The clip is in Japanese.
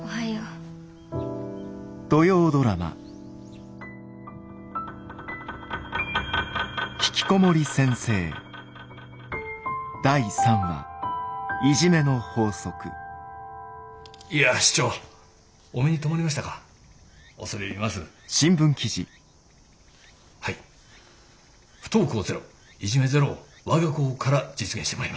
不登校ゼロいじめゼロを我が校から実現してまいります。